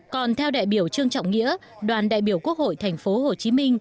còn theo đại biểu trương trọng nghĩa đoàn đại biểu quốc hội tp hcm